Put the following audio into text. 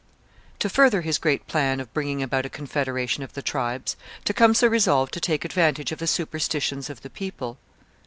To further his great plan of bringing about a confederation of the tribes, Tecumseh resolved to take advantage of the superstitions of the people.